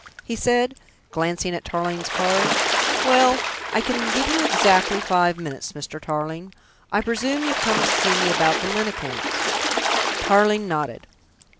he said, glancing at Tarling's card. "Well, I can give you exactly five minutes, Mr. Tarling. I presume you've come to see me about the Lyne accounts?" Tarling nodded.